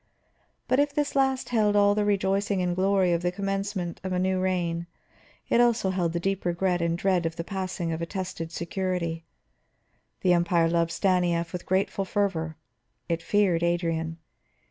But if this last held all the rejoicing and glory of the commencement of a new reign, it held also the deep regret and dread of the passing of a tested security. The Empire loved Stanief with grateful fervor, it feared Adrian.